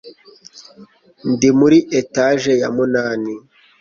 Ndi muri etage ya munani